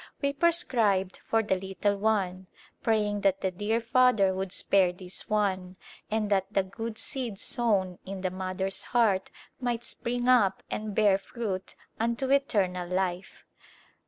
We prescribed for the little one, praying that the dear Father would spare this one, and that the good seed sown in the mother's heart might spring up and bear fruit unto eternal life.